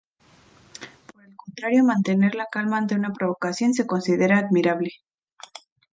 Por el contrario, mantener la calma ante una provocación se considera admirable.